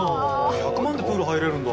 １００万でプール入れるんだ。